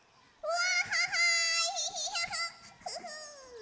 わ！